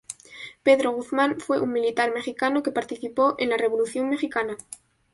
Pedro Guzmán fue un militar mexicano que participó en la Revolución mexicana.